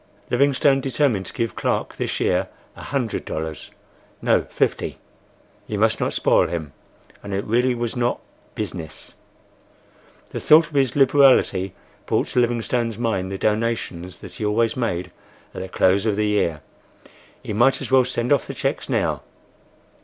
Livingstone determined to give Clark this year a hundred dollars—no, fifty—he must not spoil him, and it really was not "business." The thought of his liberality brought to Livingstone's mind the donations that he always made at the close of the year. He might as well send off the cheques now.